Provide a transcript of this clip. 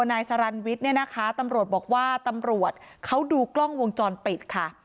นายสรรวิทย์เนี่ยนะคะตำรวจบอกว่าตำรวจเขาดูกล้องวงจรปิดค่ะ